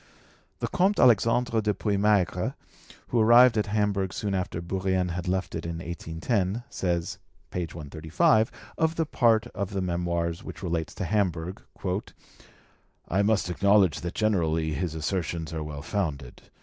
The Comte Alexandre de Puymaigre, who arrived at Hamburg soon after Bourrienne had left it in 1810, says (page 135) of the part of the Memoirs which relates to Hamburg, "I must acknowledge that generally his assertions are well founded.